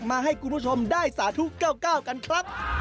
มาให้คุณผู้ชมได้สาธุ๙๙กันครับ